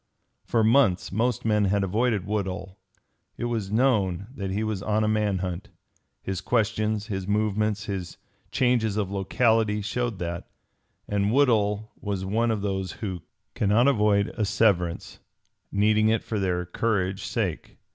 For months most men had avoided Woodhull. It was known that he was on a man hunt. His questions, his movements, his changes of locality showed that; and Woodhull was one of those who cannot avoid asseverance, needing it for their courage sake.